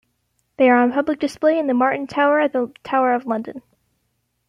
They are on public display in the Martin Tower at the Tower of London.